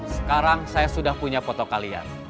sekarang saya sudah punya foto kalian